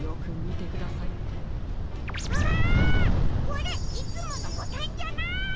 これいつものボタンじゃない！